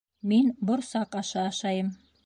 Мин борсаҡ ашы ашайым